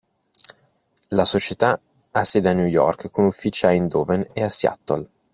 La società ha sede a New York con uffici a Eindhoven e Seattle.